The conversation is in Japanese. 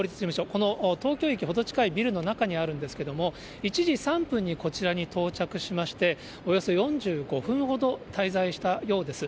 この東京駅に程近いビルの中にあるんですけれども、１時３分にこちらに到着しまして、およそ４５分ほど滞在したようです。